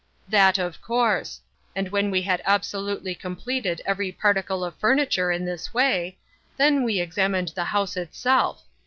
"That of course; and when we had absolutely completed every particle of the furniture in this way, then we examined the house itself.